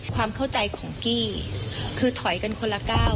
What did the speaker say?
ความเข้าใจของกี้คือถอยกันคนละก้าว